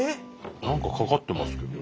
何かかかってますけどね。